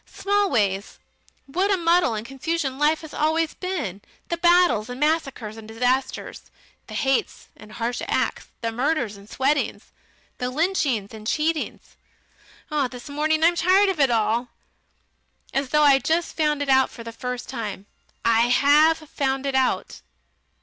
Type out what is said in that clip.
Smallways, what a muddle and confusion life has always been the battles and massacres and disasters, the hates and harsh acts, the murders and sweatings, the lynchings and cheatings. This morning I am tired of it all, as though I'd just found it out for the first time. I HAVE found it out.